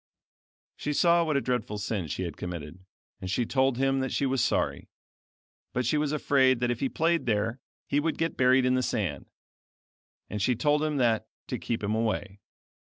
She saw what a dreadful sin she had committed, and she told him that she was sorry; but she was afraid that if he played there he would get buried in the sand, and she told him that to keep him away.